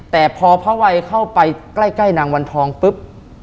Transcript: แต่พอพระวัยเข้าไปใกล้นางวันทองปุ๊บ